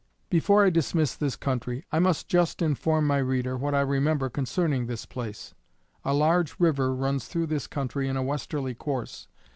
Before I dismiss this country, I must just inform my reader what I remember concerning this place. A large river runs through this country in a westerly course.